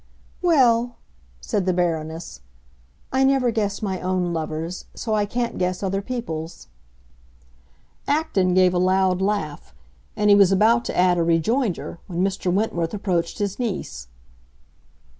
"Well," said the Baroness, "I never guess my own lovers; so I can't guess other people's." Acton gave a loud laugh, and he was about to add a rejoinder when Mr. Wentworth approached his niece.